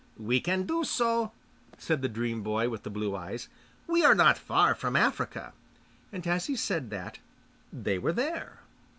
'We can do so,' said the dream boy with the blue eyes. 'We are not far from Africa' and as he said that they were there.